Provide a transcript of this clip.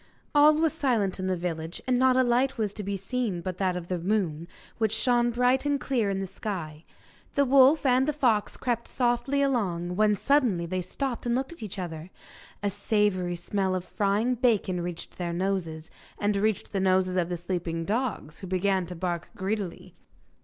All was silent in the village, and not a light was to be seen but that of the moon, which shone bright and clear in the sky. The wolf and the fox crept softly along, when suddenly they stopped and looked at each other; a savoury smell of frying bacon reached their noses, and reached the noses of the sleeping dogs, who began to bark greedily.